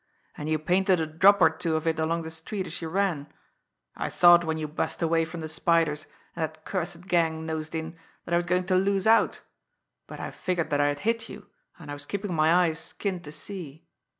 "And you painted a drop or two of it along the street as you ran. I thought when you bust away from the Spider's and that cursed gang nosed in that I was going to lose out; but I figured that I had hit you, and I was keeping my eyes skinned to see.